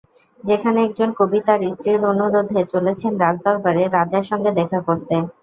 যেখানে একজন কবি তাঁর স্ত্রীর অনুরোধে চলেছেন রাজদরবারে, রাজার সঙ্গে দেখা করতে।